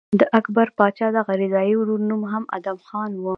د اکبر پاچا د دغه رضاعي ورور نوم ادهم خان و.